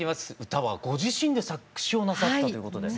歌はご自身で作詞をなさったということで。